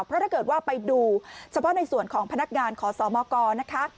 เพราะถ้าเกิดว่าไปดูเฉพาะในส่วนของพนักงานขอสมกนะคะ